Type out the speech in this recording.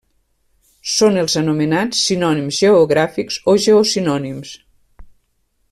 Són els anomenats sinònims geogràfics o geosinònims.